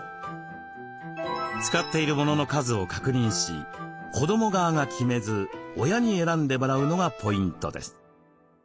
使っている物の数を確認し子ども側が決めず親に選んでもらうのがポイントです。